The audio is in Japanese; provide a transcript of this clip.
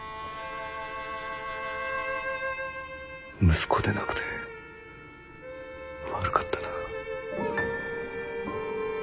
息子でなくて悪かったな。